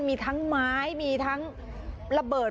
วิ่งมาทำไม